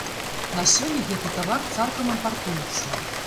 На сёння гэты тавар цалкам імпартуецца.